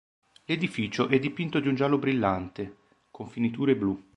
L'edificio è dipinto di un giallo brillante, con finiture blu.